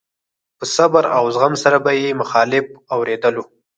په صبر او زغم سره به يې مخالف اورېدلو.